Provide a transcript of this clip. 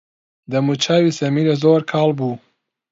دەموچاوی سەمیرە زۆر کاڵ بوو.